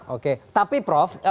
oke tapi prof